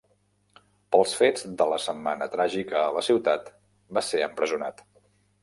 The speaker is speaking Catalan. Pels fets de la setmana tràgica a la ciutat, va ser empresonat.